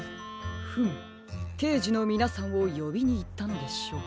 フムけいじのみなさんをよびにいったのでしょう。